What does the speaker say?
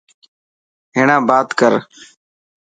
هيڻا بات ڪر.